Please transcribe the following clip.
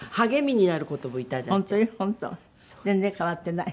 全然変わってない。